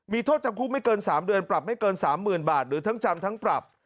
มีโทษจำคุกไม่เกิน๓เดือนปรับไม่เกิน๓๐๐๐บาทหรือทั้งจำทั้งปรับ